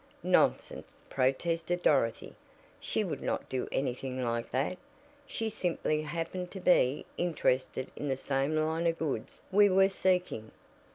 "Nonsense," protested Dorothy. "She would not do anything like that. She simply happened to be interested in the same line of goods we were seeking."